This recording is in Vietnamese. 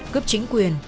cướp chính quyền